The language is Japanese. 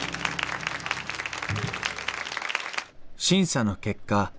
審査の結果